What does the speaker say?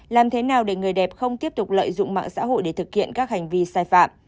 làm thế nào để người đẹp không tiếp tục lợi dụng mạng xã hội để thực hiện các hành vi sai phạm